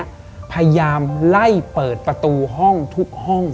พยายามไล่เปิดประตูห้องทุกห้อง